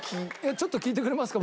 ちょっと聞いてくれますか？